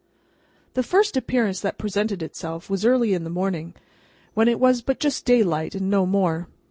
The first appearance that presented itself was early in the morning when it was but just daylight and no more.